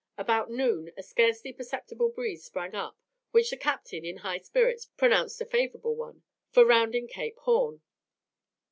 About noon a scarcely perceptible breeze sprang up, which the captain, in high spirits, pronounced a favourable one for rounding Cape Horn.